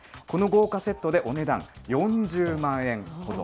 この豪華セットで、お値段４０万